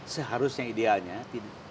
seharusnya idealnya di situ tidak ada penumpang